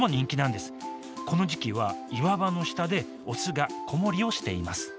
この時期は岩場の下でオスが子守をしています。